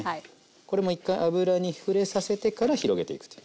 これも一回油に触れさせてから広げていくという。